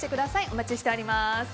お待ちしております。